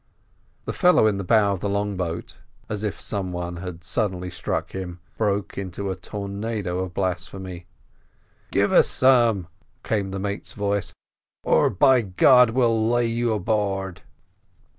The fellow in the bow of the long boat, as if some one had suddenly struck him, broke into a tornado of blasphemy. "Give us some," came the mate's voice, "or, by God, we'll lay you aboard!"